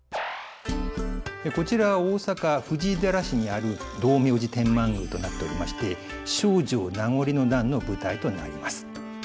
こちらは大阪・藤井寺市にある道明寺天満宮となっておりまして「丞相名残の段」の舞台となります。